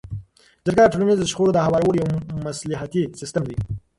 جرګه د ټولنیزو شخړو د هوارولو یو مصلحتي سیستم دی.